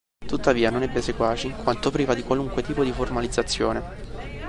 Tuttavia non ebbe seguaci, in quanto priva di qualunque tipo di formalizzazione.